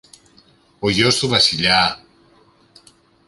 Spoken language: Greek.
Ο γιος του Βασιλιά;